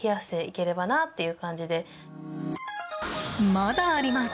まだあります。